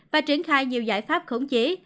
và triển khai nhiều giải pháp khống chế